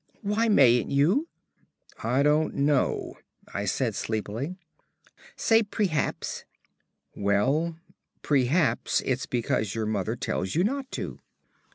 "Why mayn't you?" "I don't know," I said sleepily. "Say prehaps." "Well prehaps it's because your mother tells you not to."